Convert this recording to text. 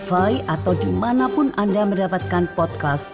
spotify atau dimanapun anda mendapatkan podcast seperti ini